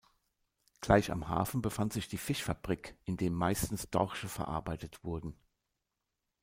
Gleich am Hafen befand sich die Fischfabrik, in dem meistens Dorsche verarbeitet wurden.